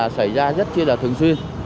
xảy ra rất thường xuyên